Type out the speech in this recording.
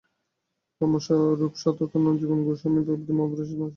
ক্রমশ রূপ-সনাতন ও জীবগোস্বামী প্রভৃতি মহাপুরুষগণের আসন বাবাজীবন অধিকার করিলেন।